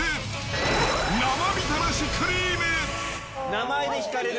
名前で引かれる。